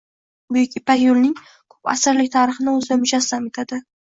Buyuk Ipak yoʻlining koʻp asrlik tarixini oʻzida mujassam etadi.